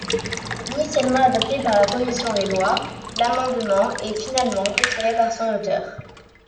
Initialement adopté par la Commission des lois, l'amendement est finalement retiré par son auteur.